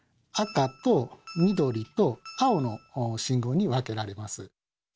赤と緑と青の信号に分けられます。